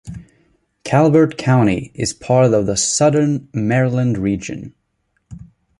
Calvert County is part of the Southern Maryland region.